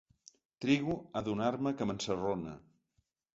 Trigo a adonar-me que m'ensarrona.